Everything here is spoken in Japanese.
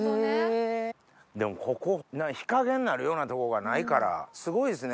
でもここ日陰になるようなとこがないからすごいですね